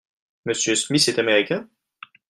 M. Smith est américain ?